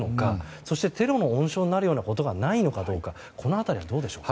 そして、テロの温床になるようなことがないのかこの辺りはどうでしょうか。